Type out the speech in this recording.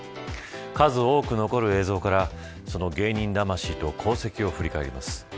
数多く残る映像からその芸人魂と功績を振り返ります。